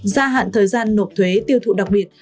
gia hạn thời gian nộp thuế tiêu thụ đặc biệt